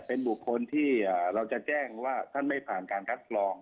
เป็นบุคคลที่เราจะแจ้งว่าท่านไม่ผ่านการคัดกรอง